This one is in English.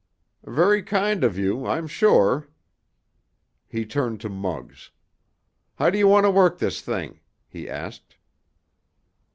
"Very kind of you, I'm sure." He turned to Muggs. "How do you want to work this thing?" he asked.